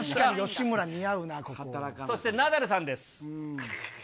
そしてナダルさんです。